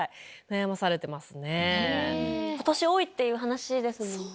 今年多いっていう話ですね。